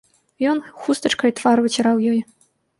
Ён хустачкай твар выціраў ёй.